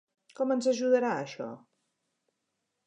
Com ens ajudarà això?